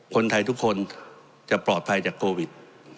คนไทยทุกคนจะปลอดภัยจากโควิด